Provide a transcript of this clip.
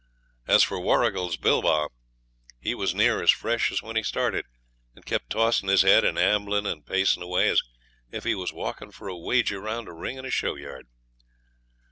As for Warrigal's Bilbah he was near as fresh as when he started, and kept tossin' his head an' amblin' and pacin' away as if he was walkin' for a wager round a ring in a show yard.